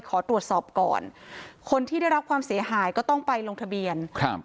ขอตรวจสอบก่อนคนที่ได้รับความเสียหายก็ต้องไปลงทะเบียนครับ